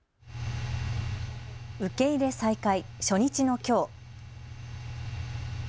受け入れ再開、初日のきょう。